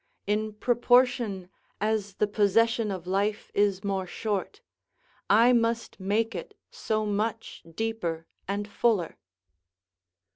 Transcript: In proportion as the possession of life is more short, I must make it so much deeper and fuller.